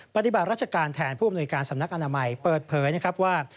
ปฏิบัติราชการแทนผู้อำนวยการสำนักอนามัยเปิดเผยนะครับว่า